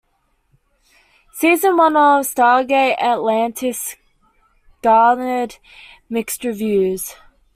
Season one of "Stargate Atlantis" garnered mixed reviews.